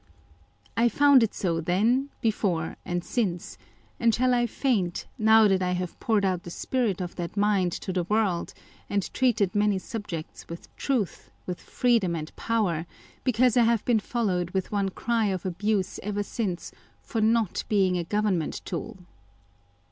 I found it so then, before, and since ; and shall I faint, now that I have poured out the spirit of that mind to the world, and treated many subjects with truth, with freedom, and power, because I have been followed with one cry of abuse ever since for not being a Government tool